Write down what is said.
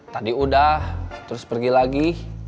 tadi udah terus pergi lagi